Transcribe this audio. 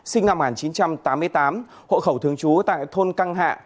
sinh năm một nghìn chín trăm tám mươi tám hộ khẩu thương chú tại thôn căng hạ